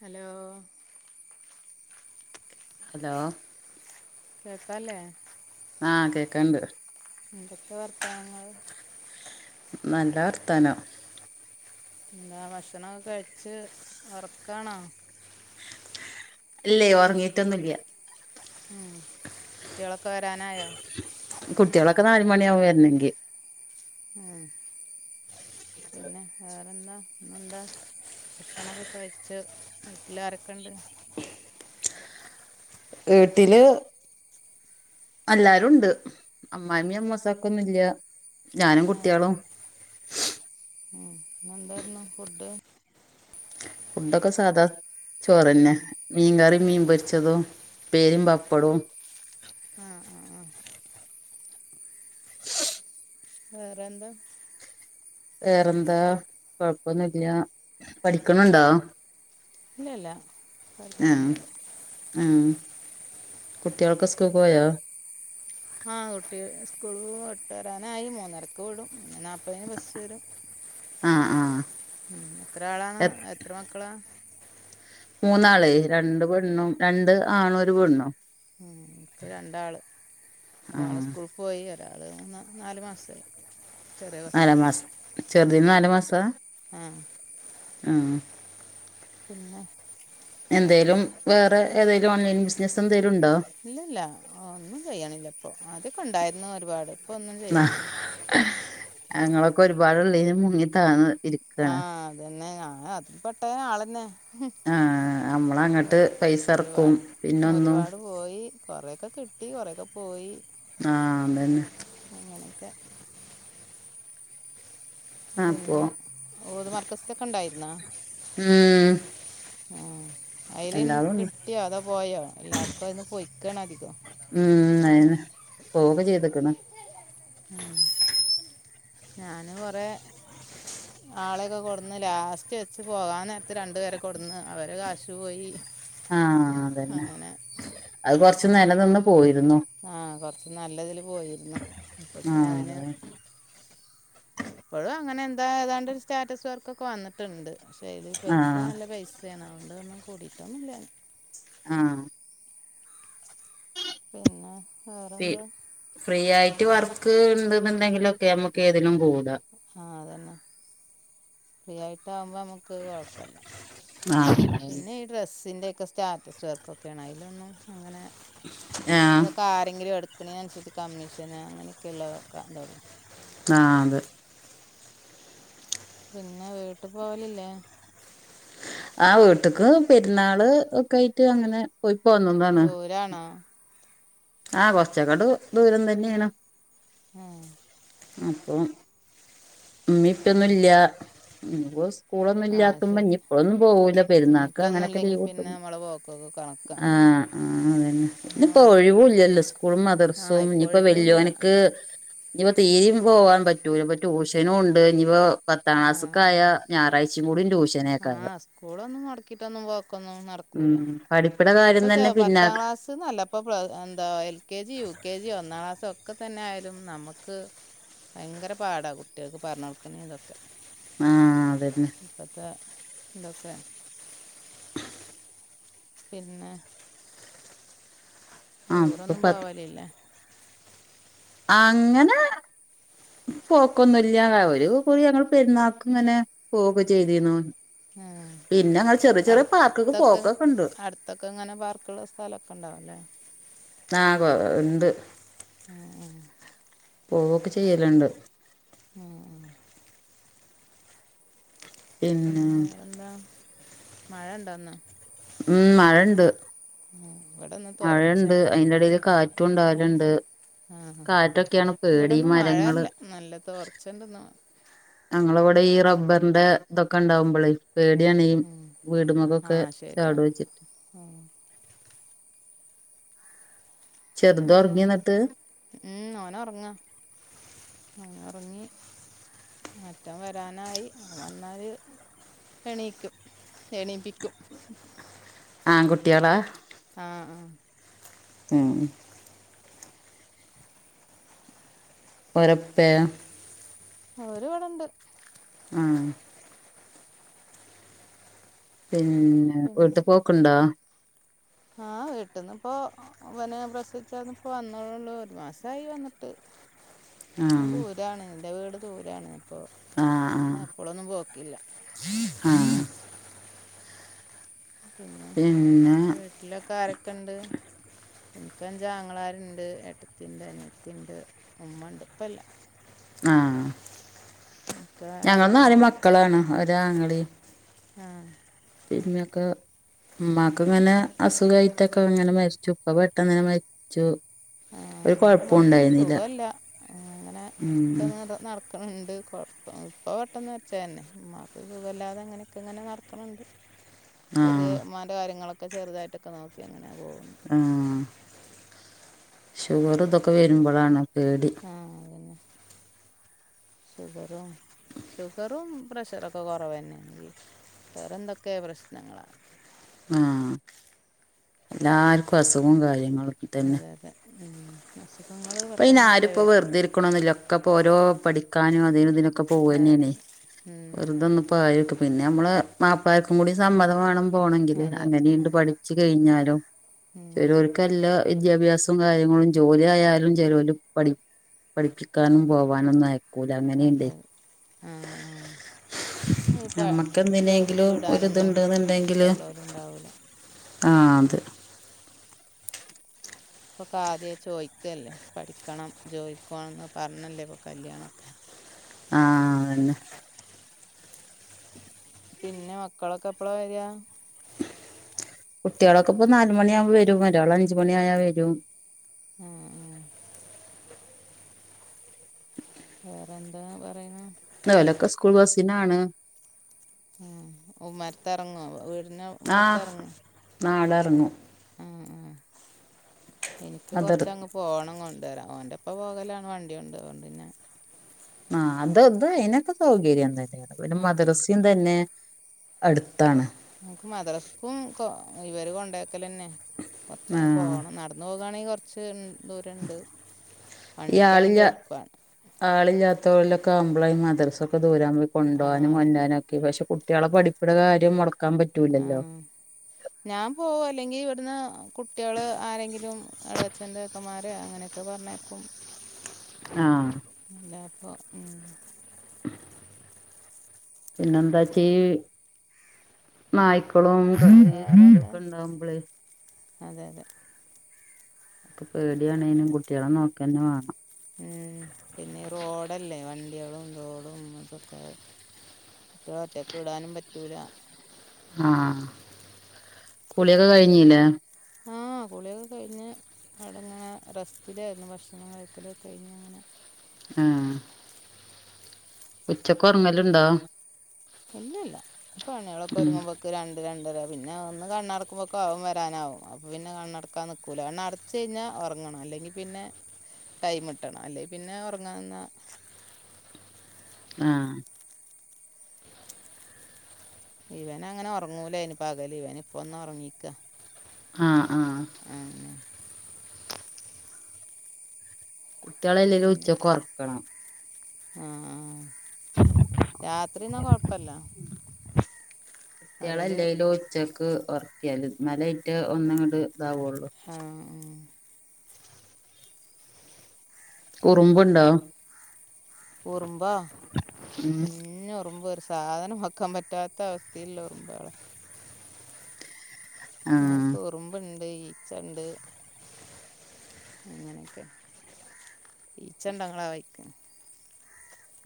Hello hello കേക്കല്ലേ ആഹ് കേക്കണ്ട് എന്തൊക്കെ വർത്താനങ്ങൾ?. നല്ല വർതാനം. എന്താ ഭക്ഷണക്കെ കഴിച്ച് ഉറക്കാണോ? ഇല്ലേയ് ഉറങ്ങിയിട്ടൊന്നുല്ല. ഉം കുട്ടികളൊക്കെ വരാനായോ?. കുട്ടികളൊക്കെ നാല് മണിയാവും വരണെങ്കിൽ. ഉം പിന്നെ വേറെന്താ ഇന്നെന്താ ഭക്ഷണക്കെ കഴിച്ച് വീട്ടില് ആരൊക്കെണ്ട്. വീട്ടില് എല്ലാരുണ്ട് അമ്മയമ്മയും അമ്മോസക്ക ഒന്നുല്ല ഞാനും ഏ കുട്ടികളും. ഇന്ന് എന്തായിരുന്നു ഫുഡ്. ഫുഡൊക്കെ സാധാ ചോറന്നെ ഏ മീൻ കറിയും, മീൻ പൊരിച്ചതും, ഉപേരിയും, പാപ്പടവും. ആഹ് ആഹ് ആഹ് വെറെന്താ? വേറെന്താ കൊഴപ്പൊന്നുല്ല. പഠിക്കണുണ്ടോ?. ഇല്ല ഇല്ല. ആഹ് ആഹ് കുട്ടികളൊക്കെ സ്കൂൾ പോയോ? ആഹ് കുട്ടികൾ സ്കൂൾ വിട്ടരാനായി മൂന്നരക്ക് വിടും മൂന്നേ നാല്പ്പതിന് ബസ്സ് വരും. ആഹ് ആഹ് ഉം എത്ര ആളാണ് എത്ര മക്കളാ? മൂന്നാള് രണ്ട് പെണ്ണും രണ്ട് ആണും ഒരു പെണ്ണും. ഉം ഇൻക്ക് രണ്ടാള് ഒരാള് ആഹ് സ്കൂൾ പോയി ഒരാള് മൂന്ന് നാല് മാസായി. നാലാ മാസം ചെറുതീന്ന് നാല് മാസാ ആഹ് ആഹ് പിന്നെ എന്തേലും വേറെന്താ വേറെ ഏതായാലും ഓൺലൈൻ ബിസിനസ്സ് എന്തേലും ഉണ്ടോ?. ഇല്ലല്ല ഒന്നും ചെയ്യണില്ല ഇപ്പൊ ആദ്യക്ക ഉണ്ടായിരുന്നു ഒരുപാട് ഒന്നും ചെയ്യലില്ല ആഹ് ഞങ്ങളൊക്കെ ഒരുപാട് ഉള്ളീല് മുങ്ങി താഴ്ന്ന് ഇരി ആഹ് അതന്നെ ഞാൻ അതിൽ പെട്ട ഒരു ആളന്നെ?. ഹും ആ നമ്മളങ്ങട്ട് ഒരു പൈസ ഇറക്കും ഒരുപാട് പിന്നൊന്നും ഒരുപാട് പോയി കൊറെക്കെ കിട്ടി കൊറെക്കെ പോയി. ആഹ് അതന്നെ. അങ്ങനെക്കെ? അപ്പൊ പിന്നെ ഊദ് മർക്കസിലൊക്കെ ഉണ്ടായിരുന്നോ ഉം ആ അയ്ൽ എല്ലാതും ഉണ്ട് കിട്ടിയോ? അതോ പോയോ എല്ലാർക്കും അതിന്ന് പൊയ്ക്കണ അധികം. ഉം അഹെന്നെ പോവൊക്കെ ചെയ്ത്ക്ക്‌ണ് ഉം ഞാന് കുറെ ആളെയൊക്കെ കൊടുന്ന് ലാസ്റ്റ് വെച്ച് പോകാൻ നേരത്ത് രണ്ടു പേരെ കൊടുന്ന് അവരെ കാശു പോയി. ആഹ് അതന്നെ അങ്ങനെ അത് കൊറച്ച് നില നിന്ന് പോയിരുന്നു. ആഹ് കൊറച്ച് നല്ലതില് പോയിരുന്നു. ആ അപ്പത്തനെ അതിന് അതെ ഇപ്പഴും അങ്ങനെ എന്താ ഏതാണ്ട് സ്റ്റാറ്റസ് വർക്കൊക്കെ വന്നിട്ടുണ്ട്. പക്ഷെ അയ്ല് ആ പൈസ നല്ല പൈസ സേണ് അതുകൊണ്ട് അതൊന്നും കൂടിയിട്ടൊന്നുല്ല. ആഹ് പിന്നെ ഫി വേറെന്താ? ഫ്രീ ആയിട്ട് വർക്ക് ഉണ്ട്ന്ന്ണ്ടെങ്കിലുംക്കെ നമുക്ക് ഏതിനും കൂടാം. ആഹ് അതന്നെ ഫ്രീ ആയിട്ട് ആകുമ്പോൾ നമുക്ക് കുഴപ്പല്ല. ആഹ് ഡ്രസ്സിൻ്റെ ഒക്കെ സ്റ്റാറ്റസ് വർക്കൊക്കെയാണ് അയിലൊന്നും അങ്ങനെ ആഹ് അതൊക്കെ ആരെങ്കിലും എടുക്കണേന് അനുസരിച്ച് കമ്മീഷന് അങ്ങനെയൊക്കെ ഉള്ളതൊക്കെ എന്തോ ഉള്ളൂ ആഹ് അതെ പിന്നെ വീട്ടി പോവലില്ലേ? ആഹ് വീട്ടിക്ക് പെരുന്നാള് ഒക്കെ ആയിട്ട് അങ്ങനെ പോയ് പോന്നതാണ് ദൂരാണാ ആഹ് കൊറച്ചങ്ങട് ദൂരം തന്നെയാണ് ആഹ് അപ്പൊ ഇമ്മിം ഇപ്പെന്നും ഇല്ല [unintelligible] സ്കൂളൊന്നും ആ ഇല്ലാത്തുമ്പം ശരി ഇനി ഇപ്പോളൊന്നും പോകൂല പെരുന്നാക്ക് ഇപ്പം ഒന്നും അങ്ങനെയൊക്കെ ഇല്ലെങ്കിൽ ലീവ് പിന്നെ കിട്ടുമ്പോ നമ്മളെ പോക്കൊക്കെ കണക്കാണ് ആഹ് ആഹ് അതന്നെ പിന്നെ ഇനിയിപ്പോ നമ്മൾ ഒഴിവൂല്ലല്ലോ സ്കൂളും ആ മദർസും ഇപ്പോൾ ഇനിയിപ്പോ ഒഴിവുമില്ല വല്യോന്ക്ക് അത് ഇനിയിപ്പ തീരയും പോകാൻ പറ്റൂല ഇപ്പം ട്യൂഷനും ഉണ്ട് ഇനിപ്പോ പത്താം ആ ക്ലാസ്സ്ക്ക് ആയ ഞായാഴ്ചയും കൂടി ട്യൂഷൻ ആഹ് സ്കൂളൊന്നും മുടക്കിയിട്ടൊന്നും പോക്കൊന്നും നടക്കൂല പഠിപ്പ്ണ കാര്യം തന്നെ പിന്നാക്ക് അതൊന്നുല്ല ഇപ്പം എന്താ L K G U K G ഒന്നാം ക്ലാസ്സ് ഒക്കെ തന്നെ ആയാലും നമുക്ക് ഭയങ്കര പാടാ കുട്ടികൾക്ക് പറഞ്ഞ് കൊടുക്കണേതൊക്കെ ആഹ് അതന്നെ ഇപ്പോത്തെ ഇതൊക്കെ പിന്നെ ആഹ് ഇപ്പൊ ടൂറൊന്നും പത്ത് പോവലില്ലേ? അങ്ങനെ പോക്കൊന്നുല്ല്യാ അവര് കൂടി ഞങ്ങൾ പെരുന്നാൾക്കും ഇങ്ങനെ പോവൊക്കെ ചെയ്തിരുന്നു ഉം പിന്നെ ങ്ങൾ ചെറിയ ചെറിയ പാർക്ക് ക്ക് പോക്കൊക്കെ‌ണ്ട് അവിടൊക്കെ ഇങ്ങനെ പാർക്ക്‌ള്ള സ്ഥലൊക്കെ ഇണ്ടാവുംല്ലേ? ആഹ് കൊ ഇണ്ട് ആഹ് പോവൊക്കെ ചെയ്യലുണ്ട് ആഹ് പിന്നെ വേറെ എന്താ മഴ ഉണ്ടോന്ന്? ഉം മഴണ്ട് ഉം ഇവിടന്ന് തോർച്ച അതിന്റടേൽ കാറ്റും ഉണ്ടാകലുണ്ട് ആഹ് ഇവിടുന്ന് മരങ്ങള് മഴല്ല നല്ല തോർച്ചണ്ടൊന്ന് ഞങ്ങളെ ഇവിടെ ഈ റബ്ബറിന്റെ ഇതൊക്കെ ഇണ്ടാവുമ്പോളേ പേടിയാണീ ഉം വീടുമക്കൊക്കെ ശരിയാ ചാടു വെച്ചിട്ട് ആഹ് ചെർത് വേറെ ഒറങ്ങിയോന്നിട്ട്? ഉം ഓന് ഒറങ്ങാ ഓന് ഒറങ്ങി മറ്റവൻ വരാനായി ഓൻ വന്നാല് എണീക്കും എണീപ്പിക്കും ആൺ കുട്ടിയാളാ? ആഹ് ആഹ് ഉം ഉം ഒരപ്പേ ഓര് ഇവിടൊണ്ട് ആഹ് പിന്നെ വീട്ടി പോക്കുണ്ടാ? ആഹ് വീട്ടിൽന്നിപ്പോ ഇവനെ പ്രസവിച്ചന്നപ്പോ വന്നോളുള്ളൂ ഒരു മാസായി വന്നിട്ട് ആഹ് ദൂരാണ് എന്റെ വീട് ദൂരാണ് അപ്പോൾ ആഹ് എപ്പളൊന്നും പോക്കില്ല ആഹ് പിന്നെ പിന്നെ വീട്ടിലൊക്കെ ആരൊക്കെണ്ട് എനിക്ക്ഞ്ചാങ്ങളാരുണ്ട് ഏട്ടത്തി ഉണ്ട് അനത്തിയ ഉണ്ട് ഉമ്മ ഉണ്ട് ഇപ്പ ഇല്ലാ ആഹ് എനിക്ക് ആരൊക്കെ ഞങ്ങന്നാല് ഉണ്ട് മക്കളാണ് ഒരാങ്ങളി ആഹ് പിന്ന മക്ക ഉമ്മാക്ക് ഇങ്ങനെ അസുഖമായിട്ടൊക്കെ ഇങ്ങനെ മരിച്ചു ഇപ്പ പെട്ടെന്ന്നെ മരിച്ചു ആഹ് ഒരു എൻ്റെ കുഴപ്പോം മാക്കും ഉണ്ടായിരുന്നില്ല സുഖമല്ല അങ്ങനെ ഒക്കെ ഉം നടക്കും നടക്കണ്ട്ഴപ്പം ഇപ്പൾ പെട്ടെന്ന് വെച്ച തന്നെ ഉമമാക്ക് സുഖല്ലാതെ അങ്ങനെയൊക്കെ ഇങ്ങനെ നടക്കണുണ്ട് ആഹ് ചെറിയമാന്റെ കാര്യങ്ങളൊക്കെ ചെറുതായിട്ടൊക്കെ നോക്കി അങ്ങനൊ പോകണ്ട് ആഹ് ഷുഗർ ഇതൊക്കെ വരുമ്പോഴാണ് പേടി ആ പിന്നെ ഷുഗറും ഷുഗറും പ്രഷറൊക്കെ കുറവ് തന്നെയണെങ്കിൽ വേറെ എന്തൊക്കെ പ്രശ്നങ്ങളാണ് ആഹ് എല്ലാർക്കും അസുഖവും കാര്യങ്ങളും തന്നെ അതെ അതെ അസുഖങ്ങള് പെട്ടെന്നല്ലേ വരുന്നു ില്ല ഒക്കെപ്പോൊ ഓരോ പഠിക്കാനും അതിനും ഇതിനും ക്കെ പോവന്നെയണ അതെ ഉം. വെറുതെന്ന പായക്ക പിന്നെ നമ്മള് മാപ്പളാർക്കും കൂടി സമ്മതം വേണം പോണങ്കില് അതെ അങ്ങനെയുണ്ട് പഠി വ കഴിഞ്ഞാലും ഉം. ചിലോർക്ക് എല്ലാ വിദ്യാഭ്യാസവും കാര്യങ്ങളും ജോലിയ ആയാലും ജലോലി പഠി പഠിപ്പിക്കാനും പോവാനൊന്നയ അതെ ആഹ് ആഹ് അത്പ്പ നമുക്ക് എന്തിനെങ്കിലും ജോലിക്ക് ഒരു ഇടാനൊന്നും ഇതുണ്ട് ഇഷ്ടമുള്ളലും ഉണ്ടാവില്ല ആഹ് അത് ഇപ്പൊ കാ ആദ്യെ ചോയ്ക്കല്ലേ പഠിക്കണം ജോലിക്കണംന്ന് പറഞ്ഞല്ലേ ഇപ്പൊ കല്യാണമൊക്കെ ആഹ് തന്നെ പിന്നെ മക്കളൊക്കെ എപ്പളാ വര കുട്ടികളൊക്കെ ഇപ്പൊ നാലുമണിയ ആവുമ്പോ വരും ഒരാൾ അഞ്ച മണി ആയാ വരും ആഹ് ആഹ് വേറെ എന്താന്ന പറയുന്ന നലൊക്കെ സ്കൂൾ ബസ്സിനാണ് ഉമ്മരത്തിറങ്ങോ വീടിന ആഹ് നാ അടറങ്ങ ഉം ഉം എനിക്ക് അതർ കൊറച്ചങ് പോകണം കൊണ്ട വരാം ഓന്റെപ്പോ പോകലാണ് വണ്ടി കൊണ്ട് അതുണ്ട്ന്നെ ആഹ് അതെത് അയ്നൊക്കെ സൗകര്യം തന്നെയാണ് പിന്നെ മദ്രസയും തന്നെ അടുത്താണ് മുക്ക് മദ്രാസ്‌ക്കും കൊ ഇവര് കൊണ്ടാക്കലന്നെ കൊർച്ചങ്ങ് ആഹ് പോകണം നടന്നു പോകയാണെങ്കി കൊർ ച്ച് ദൂരണ്ട് വണ്ടിക്കാണെങ്കി എളുപ്പാണ് ആളില്ലാത്തോലൊക്കെ ആവുമ്പളെ മദ്രസൊ ഒക്കെ ദൂരം ഞമ്മൾ ആ കൊണ്ടവാനും അതന്നെ കൊണ്ടരാനും ഒക്കെ പക്ഷെ കുട്ടികളെ പഠിക്ക്‌ണെ കാര്യം മുടക്കാൻ ആ പറ്റൂലല്ലോ ഞാൻ പോവും അല്ലെങ്കിൽ ഇവിടുന്ന് കുട്ടിയാള് ആരെങ്കിലും എളേചന്റെ ചെക്കമാരെ അങ്ങനെ ക്കൊപർനയ്ക്കും ആഹ് ഇല്ലാപ്പോ ഹ്മ് പിന്നെന്താ ച്ച് നായ്ക്കളും ആ വേറെ എന്താ [unintelligible] ഇണ്ടാകുമ്പളേ അതെ അതെ പേടിയാണേനും കുട്ടിയാളെ നോകന്നെ വേണം ഉം പിന്നെ റോഡല്ലേ വണ്ടിയാളും റോഡും അതൊക്കെ ഒറ്റക്ക് വിടാനും പറ്റൂല ആഹ് കുളിയൊക്കെ കഴിഞ്ഞിലേ ആഹ് കുളിയൊക്കെ കഴിഞ്ഞ് വിടെ ഇങ്ങനെ റെസ്റ്റിലായിരുന്നു ഭക്ഷണം കഴിക്കല് കഴിഞ്ഞ് അങ്ങനെ ഹേ ഉച്ചക്ക് ഉറങ്ങൽ ഉണ്ടോ ഇല്ല ഇല്ല ഇപ്പൊ പണികളൊക്കെ ഉം ഒരുങ്ങുമ്പോ രണ്ട് രണ്ടര പിന്നെ ഒന്ന് കണ്ണടുകുമ്പോക്ക്‌ അവൻ വരാൻ ആവും അപ്പൊ പിന്നെ കണ്ണടക്കാൻ നിക്കൂല കണ്ണട ഉച്ച കഴിഞ്ഞാ ഉറങ്ങണം അല്ലെങ്കിൽ പിന്നെ ടൈം കിട്ടണം അല്ലെങ്കിൽ പിന്നെ ഉറങ്ങാന്ന ആഹ് ഇവൻ അങ്ങനെ ഒറങ്ങൂലയ്നി പകൽ ഇവൻ ഇപ്പൊന്ന് ഒറങ്ങീക്ക ആഹ് ആഹ് കുട്ടിയാളല്ലേലും ഉച്ചക്ക് ഒറക്കണം ഏ രാത്രി ഒന്നും കൊഴപ്പല്ല കുട്ടിയാളല്ലേലും ഉച്ചക്ക് ഉറക്കിയാല് ന്നാല് അയ്റ്റ ഒന്നുംങ്ങട്ട് ഇതാവുള്ളൂ ഹേ ഹേ ഏ കുറുമ്പുണ്ടോ ഉറുമ്പ ഉം കുഞ്ഞ് ഉറുമ്പ് വ സാധനം വെക്കാൻ പറ്റാത്ത അവസ്ഥീൽല്ലെ ഉറുമ്പാള ആഹ് ഞാക്ക് ഉറുമ്പുണ്ട് ഈച്ചണ്ട് അങ്ങനെയൊക്കെ ഈച്ച ഇണ്ട നിങ്ങള വയിക്ക്‌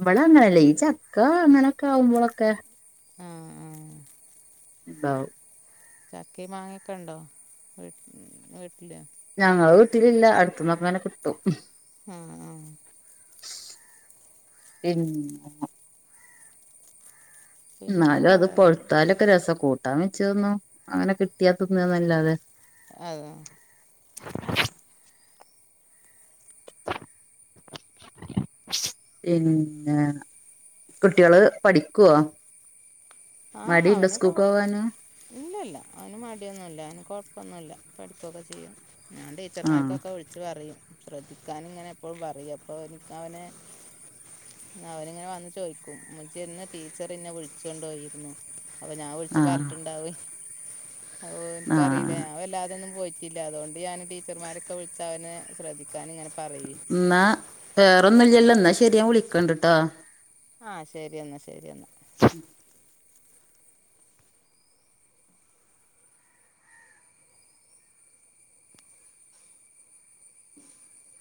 ഇബടെ അങ്ങനെയല്ലേ ഈ ചക്ക അങ്ങനെയൊക്കെ ആവുമ്പോളൊക്കെ ആഹ് ആ ണ്ടാവും ചക്കിം മാങ്ങൊക്കെ ഉണ്ടോ വീ വീട്ടില് ഞങ്ങളെ വീട്ടിലില്ല അടുത്ത്ന്നൊക്കങ്ങനെ കിട്ടും ഏ ഏ പിന്നെ പിന്നെ ന്നാലും അത് വേറെന്താ പൊഴത്താലൊക്കെ രസാ കൂട്ടാൻ വെച്ചു തിന്നു അങ്ങനെ കിട്ടിയാ തിന്നാന്നല്ലാതെ ഏ പിന്നെ കുട്ടിയാള് പഠിക്കുവോ മടിയുണ്ടോ സ്കൂളിക്ക് പോവാന് ഇല്ല ഇല്ല അവന് മടിയൊന്നും ഇല്ല അവന് കൊഴപ്പൊന്നു ഇല്ല പഠിക്കോ ക്കെ ചെയ്യും ഞാണ്ടെ ആ ടീച്ചർമാർക്കൊക്കെ വിളിച്ച് പറയും ശ്രദ്ധിക്കാന് ഇങ്ങനെ എപ്പോഴും പറയും അപ്പോ എനിക്ക് അവനെ അവനിങ്ങനെ വന്ന് ചോദിക്കും ഉമ്മച്ചീന്ന് ടീച്ചർന്നെ വിളിച്ചൊണ്ടോ യി അപ്പൊ ഞാൻ വിളിച്ചു ആ പറഞ്ഞിട്ടുണ്ടാവേ അത് ആ ഓരിക്കറിയില്ല ഞാൻ വല്ലാതൊ ന്നും പോയി ട്ടില്ല അതുകൊണ്ട് ഞാൻ ടീച്ചർമാരെക്കെ വിളിച്ച് അവനെ ശ്രദ്ധിക്കാൻ ഇങ്ങനെ പറയേ എന്നാ വേറൊന്നും ഇല്ല ല്ലോ എന്നാ ശെരി ഞാൻ വിളിക്കണ്ട് ട്ടാ ആഹ് ശെരി എന്നാ ശെരി എന്നാ [unintelligible]